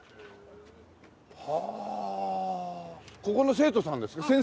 ここの生徒さんですか？